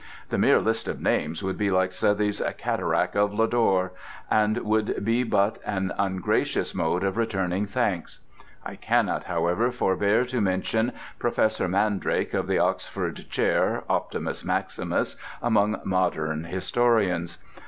The mere list of names would be like Southey's "Cataract of Lodore," and would be but an ungracious mode of returning thanks. I cannot, however, forbear to mention Professor Mandrake, of the Oxford Chair, optimus maximus among modern historians.